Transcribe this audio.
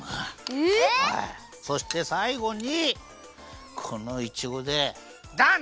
そしてさいごにこのいちごでダン！